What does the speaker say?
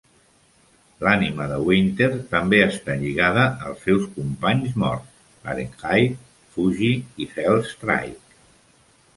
L'ànima de Winter també està lligada als seus companys morts: Fahrenheit, Fuji i Hellstrike.